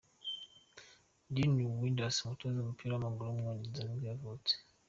Dean Windass, umutoza w’umupira w’amaguru w’umwongereza nibwo yavutse.